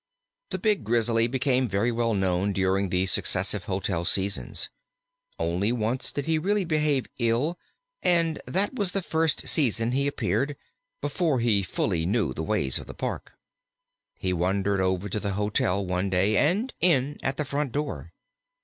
The big Grizzly became very well known during the successive hotel seasons. Once only did he really behave ill, and that was the first season he appeared, before he fully knew the ways of the Park. He wandered over to the hotel, one day, and in at the front door.